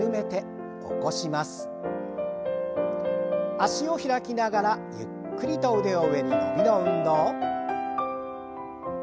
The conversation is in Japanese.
脚を開きながらゆっくりと腕を上に伸びの運動。